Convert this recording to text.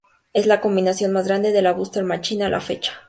Es la combinación más grande de la Buster Machine a la fecha.